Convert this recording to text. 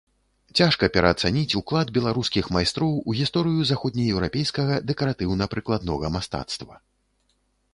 Цяжка пераацаніць уклад беларускіх майстроў у гісторыю заходнееўрапейскага дэкаратыўна-прыкладнога мастацтва.